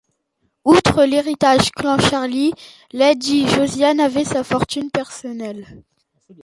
Outre l’héritage Clancharlie, lady Josiane avait sa fortune personnelle.